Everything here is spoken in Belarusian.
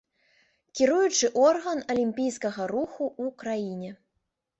Кіруючы орган алімпійскага руху ў краіне.